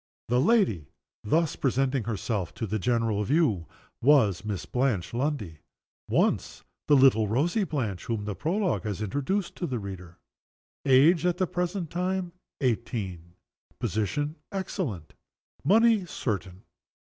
The young lady thus presenting herself to the general view was Miss Blanche Lundie once the little rosy Blanche whom the Prologue has introduced to the reader. Age, at the present time, eighteen. Position, excellent. Money, certain.